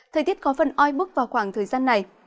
thời tiết có phần oi bức vào khoảng thời gian này